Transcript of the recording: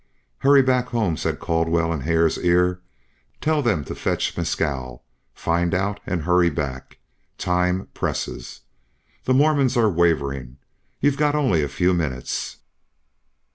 "Hurry back home," said Caldwell in Hare's ear. "Tell them to fetch Mescal. Find out and hurry back. Time presses. The Mormons are wavering. You've got only a few minutes."